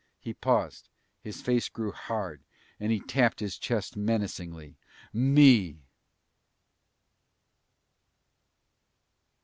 He paused, his face grew hard and he tapped his chest menacingly. "Me!"